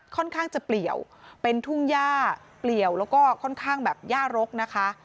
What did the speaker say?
ค่อนข้างจะเปลี่ยวเป็นทุ่งย่าเปลี่ยวแล้วก็ค่อนข้างแบบย่ารกนะคะ